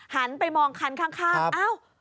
หันไปมองคันข้างอ้าว